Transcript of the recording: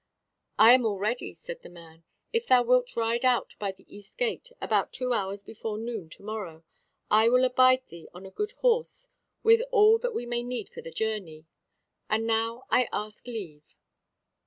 "I am all ready," said the man: "if thou wilt ride out by the east gate about two hours before noon to morrow, I will abide thee on a good horse with all that we may need for the journey: and now I ask leave."